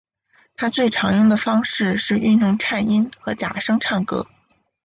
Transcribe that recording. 他最常用的方式是运用颤音和假声唱歌。